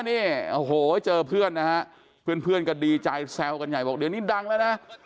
นี่โอ้โหเจอเพื่อนนะฮะเพื่อนก็ดีใจแซวกันใหญ่บอกเดี๋ยวนี้ดังแล้วนะ